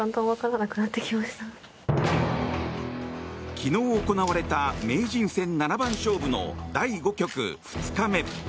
昨日行われた名人戦七番勝負の第５局２日目。